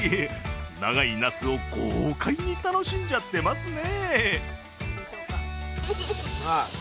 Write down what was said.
長いなすを豪快に楽しんじゃってますね。